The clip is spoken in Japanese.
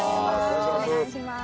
お願いします。